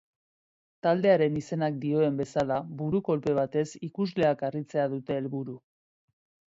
Taldearen izenak dioen bezala, buru-kolpe batez ikusleak harritzea dute helburu.